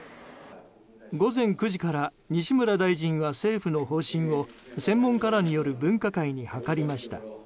午前９時から西村大臣は政府の方針を専門家らによる分科会に諮りました。